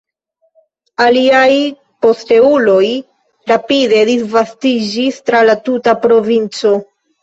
Iliaj posteuloj rapide disvastiĝis tra la tuta provinco.